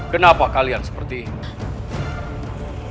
kenapa kalian seperti ini